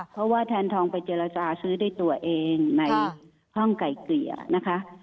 เพราะว่าแทนทองไปเจรจาซื้อด้วยตัวเองในห้องไก่เกลี่ยนะคะ